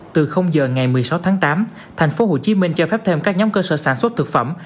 từ giờ ngày một mươi sáu tháng tám tp hcm cho phép thêm các nhóm cơ sở sản xuất thực phẩm